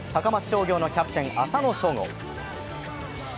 商業のキャプテン、浅野翔吾。